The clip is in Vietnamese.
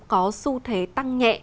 có xu thế tăng nhẹ